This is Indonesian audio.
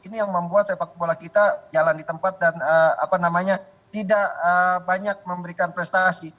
ini yang membuat sepak bola kita jalan di tempat dan tidak banyak memberikan prestasi